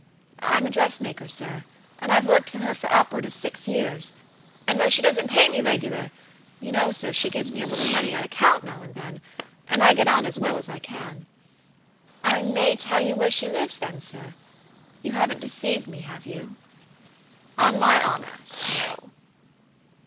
I'm a dressmaker, sir, and I've worked for her for upward of six years, and though she doesn't pay me regular, you know, sir, she gives me a little money on account now and then, and I get on as well as I can. I may tell you where she lives, then, sir? You haven't deceived me, have you?" "On my honor, no."